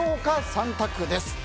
３択です。